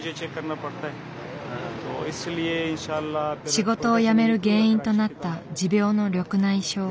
仕事を辞める原因となった持病の緑内障。